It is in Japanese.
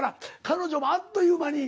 彼女もあっという間に。